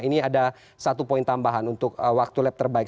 ini ada satu poin tambahan untuk waktu lab terbaik